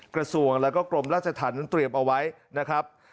กระทรวงแล้วก็กรมราชธรรมนั้นเตรียมเอาไว้นะครับ